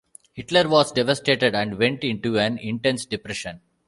Hitler was devastated and went into an intense depression.